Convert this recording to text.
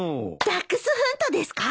ダックスフントですか？